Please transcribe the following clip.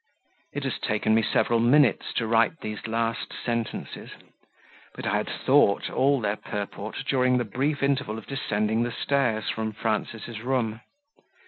It has taken me several minutes to write these last sentences; but I had thought all their purport during the brief interval of descending the stairs from Frances' room.